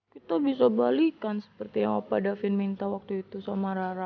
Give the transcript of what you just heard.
kita bisa balikan seperti apa davin minta waktu itu sama rara